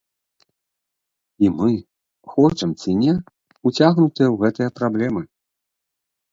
І мы, хочам ці не, уцягнутыя ў гэтыя праблемы.